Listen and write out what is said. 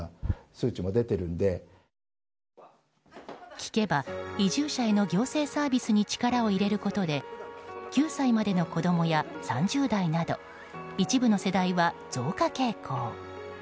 聞けば移住者への行政サービスに力を入れることで９歳までの子供や３０代など一部の世代は増加傾向。